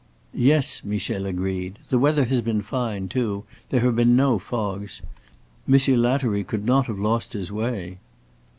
"Yes," Michel agreed. "The weather has been fine too. There have been no fogs. Monsieur Lattery could not have lost his way."